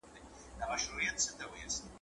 د خزان یا مني په موسم کي `